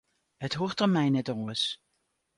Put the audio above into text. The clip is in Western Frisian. It hoecht om my net oars.